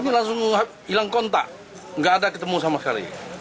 ini langsung hilang kontak nggak ada ketemu sama sekali